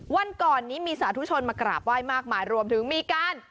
วันก่อนนี้มีสาธุชนมากราบไหว้มากมายรวมถึงมีการ